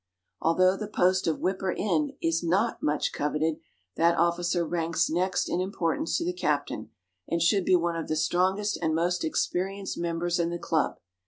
Although the post of whipper in is not much coveted, that officer ranks next in importance to the captain, and should be one of the strongest and most experienced members in the club.